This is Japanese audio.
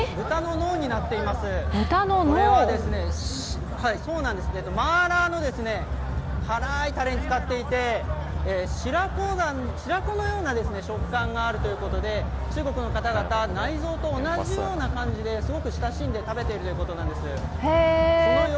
これは、マーラーの辛いタレに漬かっていて白子のような食感があるということで、中国の方々は内臓と同じような感じで親しんで食べているということです。